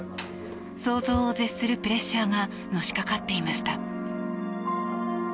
想像を絶するプレッシャーがのしかかっていました。